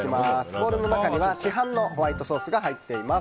ボウルの中には市販のホワイトソースが入っています。